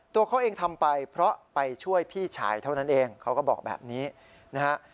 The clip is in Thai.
ตัวเขาเองทำไปเพราะไปช่วยพี่ชายเท่านั้นเองเขาก็บอกแบบนี้นะฮะ